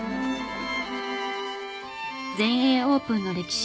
全英オープンの歴史